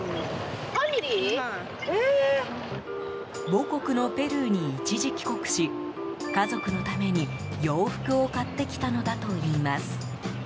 母国のペルーに一時帰国し家族のために、洋服を買ってきたのだといいます。